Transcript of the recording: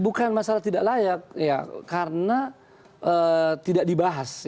bukan masalah tidak layak karena tidak dibahas